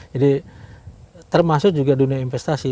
jadi termasuk juga dunia investasi